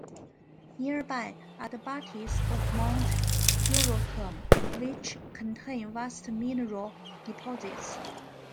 Nearby are the buttes of Mount Urucum, which contain vast mineral deposits.